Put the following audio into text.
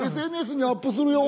ＳＮＳにアップするよ。